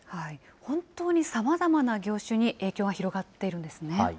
本当にさまざまな業種に影響が広がっているんですね。